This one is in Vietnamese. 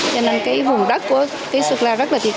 cho nên cái vùng đất của cái sơn la rất là thiệt